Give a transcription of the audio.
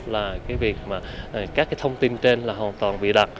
là các thông tin trên là hoàn toàn bị đặt